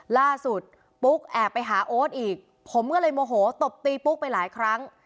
ปุ๊กแอบไปหาโอ๊ตอีกผมก็เลยโมโหตบตีปุ๊กไปหลายครั้ง